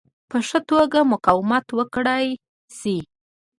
په ښه توګه مقاومت وکړای شي.